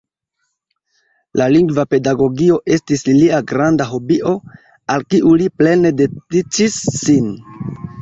La lingva pedagogio estis lia granda hobio, al kiu li plene dediĉis sin.